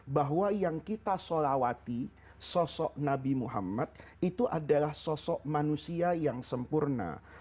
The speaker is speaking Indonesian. bahwa yang kita solawati sosok nabi muhammad itu adalah sosok manusia yang sempurna